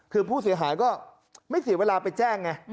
คือผู้เสียหายก็ไม่เสียเวลาไปแจ้งไง